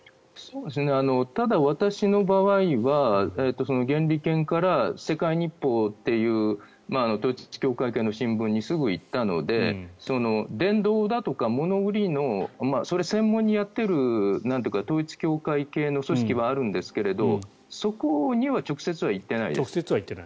ただ、私の場合は原理研から世界日報という統一教会系の新聞にすぐ行ったので伝道だとか物売りのそれ専門にやっている統一教会系の組織はあるんですがそこには直接は行っていないです。